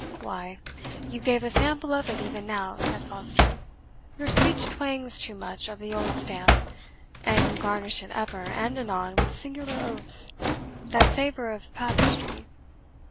"Why, you gave a sample of it even now," said Foster. "Your speech twangs too much of the old stamp, and you garnish it ever and anon with singular oaths, that savour of Papistrie.